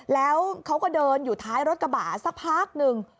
แล้วเขาก็เดินอยู่ท้ายรถกระบะสักพักหนึ่ง